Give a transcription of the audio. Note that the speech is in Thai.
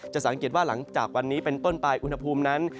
สังเกตว่าหลังจากวันนี้เป็นต้นไปอุณหภูมินั้น